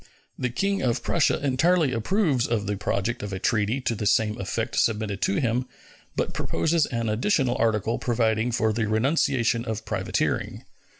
The King of Prussia entirely approves of the project of a treaty to the same effect submitted to him, but proposes an additional article providing for the renunciation of privateering.